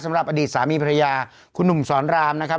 สำหรับอดีตสามีภรรยาคุณหนุ่มสอนรามนะครับ